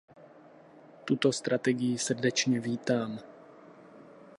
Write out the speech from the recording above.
Tuto strategii srdečně vítám.